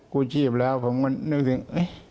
ครูชีพแล้วผมนึกถึง